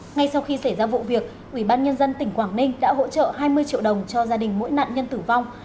ngay sau khi xảy ra vụ việc ubnd tỉnh quảng ninh đã hỗ trợ hai mươi triệu đồng cho gia đình mỗi nạn nhân tử vong